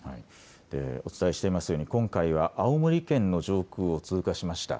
お伝えしていますように今回は青森県の上空を通過しました。